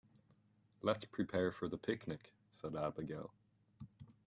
"Let's prepare for the picnic!", said Abigail.